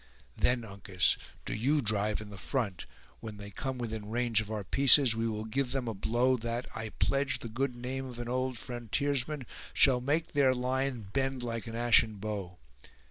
Then, Uncas, do you drive in the front; when they come within range of our pieces, we will give them a blow that, I pledge the good name of an old frontiersman, shall make their line bend like an ashen bow.